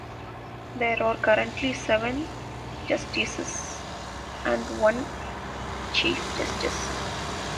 There are currently seven Justices and one Chief Justice.